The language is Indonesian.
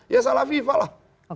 ya salah fifa lah